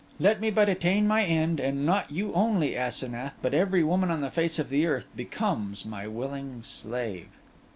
Let me but attain my end, and not you only, Asenath, but every woman on the face of the earth becomes my willing slave.